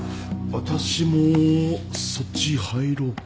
私もそっち入ろうか？